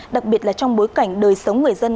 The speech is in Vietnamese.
đặc biệt là trong bối cảnh đời sống người dân